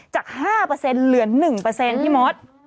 จาก๕เหลือ๑พี่มด